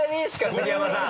杉山さん。